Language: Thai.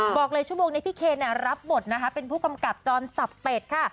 บอกเลยชั่วโมงนี้พี่เคนรับบทนะคะเป็นผู้กำกับจรสับเป็ดค่ะ